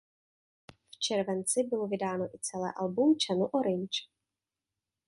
V červenci bylo vydáno i celé album "Channel Orange".